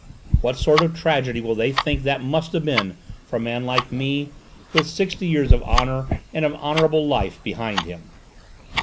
What sort of tragedy will they think that must have been for a man like me, with sixty years of honour and of honourable life behind him?"